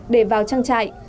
để vào trang trại